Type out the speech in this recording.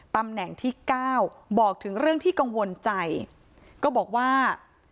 ตำแหน่งที่เก้าบอกถึงเรื่องที่กังวลใจก็บอกว่า